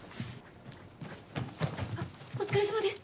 あっお疲れさまです！